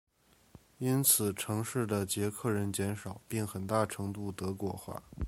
因此城市的捷克人减少并很大程度德国化。